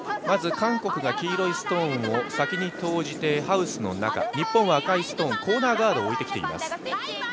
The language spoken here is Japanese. まず、韓国が黄色いストーンを先に投じてハウスの中、日本は赤いストーンコーナーガードを置いてきています